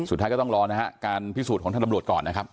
สุดท้ายก็ต้องรอนะฮะการพิสูจน์ของทางตำรวจก่อนนะครับ